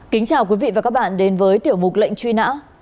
kính chào quý vị và các bạn đến với tiểu mục lệnh truy nã